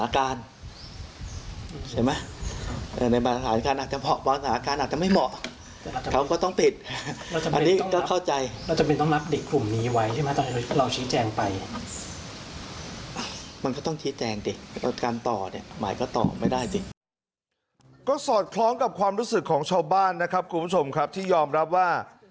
ก็สอดคล้องกับความรู้สึกของชาวบ้านนะครับคุณผู้ชมครับที่ยอมรับว่า